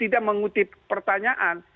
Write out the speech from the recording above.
tidak mengutip pertanyaan